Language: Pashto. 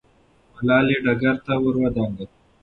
ملالۍ ډګر ته ور دانګله.